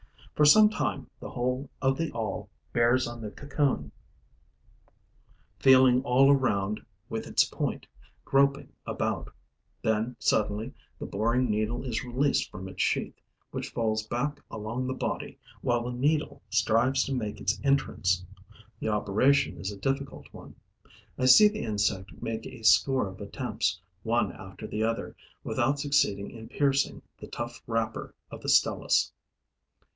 For some time, the whole of the awl bears on the cocoon, feeling all round with its point, groping about; then, suddenly, the boring needle is released from its sheath, which falls back along the body, while the needle strives to make its entrance. The operation is a difficult one. I see the insect make a score of attempts, one after the other, without succeeding in piercing the tough wrapper of the Stelis.